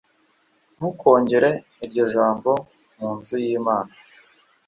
Ntukongere iryo jambo mu nzu yImana